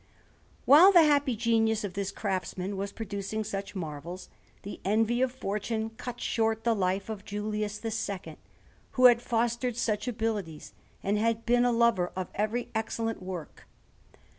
While the happy genius of this craftsman was producing such marvels, the envy of fortune cut short the life of Julius II, who had fostered such abilities, and had been a lover of every excellent work.